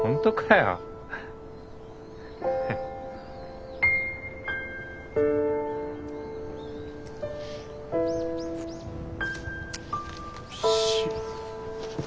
よし。